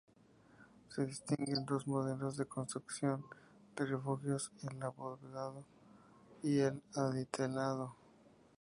Se distinguen dos modelos de construcción de refugios: el abovedado y el adintelado.